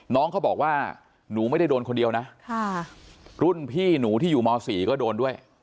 น้องเขาบอกว่าหนูไม่ได้โดนคนเดียวนะรุ่นพี่หนูที่อยู่ม๔ก็โดนด้วย